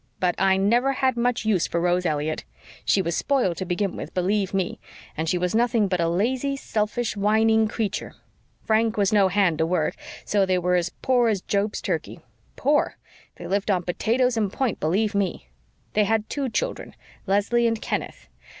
But I never had much use for Rose Elliott. She was spoiled to begin with, believe ME, and she was nothing but a lazy, selfish, whining creature. Frank was no hand to work, so they were poor as Job's turkey. Poor! They lived on potatoes and point, believe ME. They had two children Leslie and Kenneth.